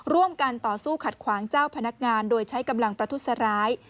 ต่อสู้ขัดขวางเจ้าพนักงานโดยใช้กำลังประทุษร้าย